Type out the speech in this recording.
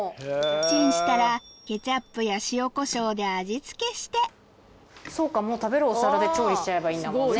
チンしたらケチャップや塩コショウで味つけしてそうかもう食べるお皿で調理しちゃえばいいんだもんね。